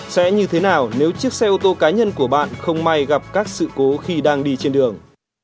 sẽ như thế nào nếu chiếc xe ô tô cá nhân của bạn không may gặp các sự cố khi đang đi trên đường